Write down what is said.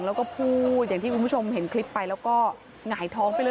แล้วก็พูดอย่างที่คุณผู้ชมเห็นคลิปไปแล้วก็หงายท้องไปเลย